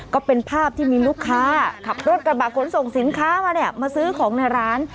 ก็เป็นภาพที่มีลูกค้าขับรถกระบะขนส่งสินค้ามาเนี่ยมาซื้อของในร้าน